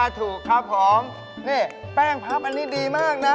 ยังย้อนมากที่หมาย